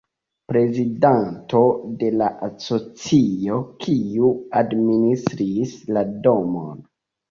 Prezidanto de la asocio, kiu administris la domon.